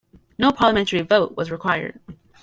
No parliamentary vote was required.